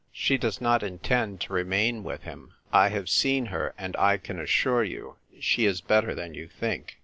She does not intend to remain with him. I have seen her, and I can assure you she is better than you think.